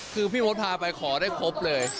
คือพี่มดพาไปขอได้ครบเลย